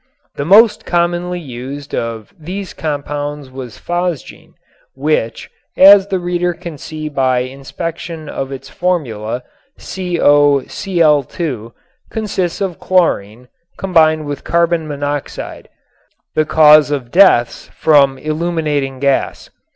The most commonly used of these compounds was phosgene, which, as the reader can see by inspection of its formula, COCl_, consists of chlorine (Cl) combined with carbon monoxide (CO), the cause of deaths from illuminating gas.